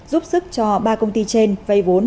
giúp sức cho ba công ty trên vây vốn